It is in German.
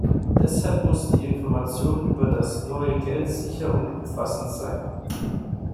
Deshalb muss die Information über das neue Geld sicher und umfassend sein.